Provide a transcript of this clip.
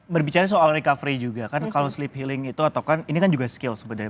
berbicara soal recovery juga kan kalau sleep healing itu atau kan ini kan juga skill sebenarnya